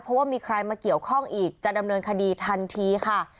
เพราะว่ามีใครมาเกี่ยวข้องอีกจะดำเนินคดีทันทีค่ะ